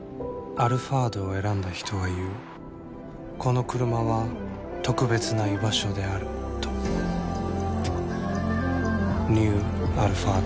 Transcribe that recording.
「アルファード」を選んだ人は言うこのクルマは特別な居場所であるとニュー「アルファード」